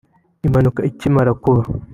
Impanuka ikimara kuba